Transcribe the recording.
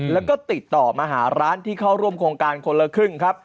แล้วก็ติดต่อมาหาร้านที่เข้าร่วมโครงการคนละครึ่งครับ